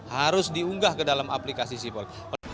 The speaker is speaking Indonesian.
harus diunggah ke dalam aplikasi sipol